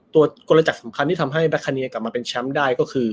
กลจักรสำคัญที่ทำให้แบคาเนียกลับมาเป็นแชมป์ได้ก็คือ